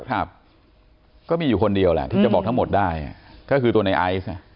ครับก็มีอยู่คนเดียวแหละที่จะบอกทั้งหมดได้ก็คือตัวในไอซ์อ่ะ